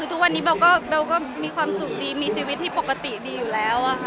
ทุกวันนี้เบลก็มีความสุขดีมีชีวิตที่ปกติดีอยู่แล้วค่ะ